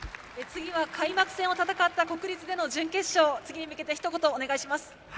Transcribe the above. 次は開幕戦を戦った国立での準決勝、次に向けてひと言お願いします。